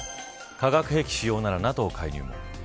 化学兵器使用ならＮＡＴＯ介入。